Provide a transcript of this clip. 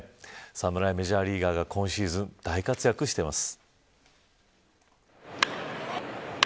侍メジャーリーガーが今シーズン、大活躍しています。